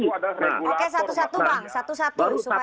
oke satu satu bang satu satu supaya bisa ditinggal